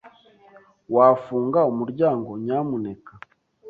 Wafunga umuryango, nyamuneka?